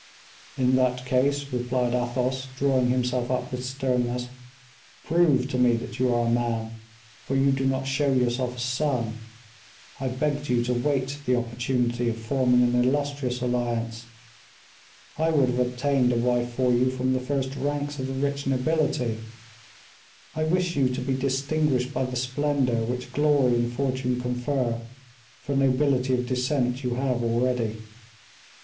"In that case," replied Athos, drawing himself up with sternness, "prove to me that you are a man, for you do not show yourself a son. I begged you to wait the opportunity of forming an illustrious alliance. I would have obtained a wife for you from the first ranks of the rich nobility. I wish you to be distinguished by the splendor which glory and fortune confer, for nobility of descent you have already."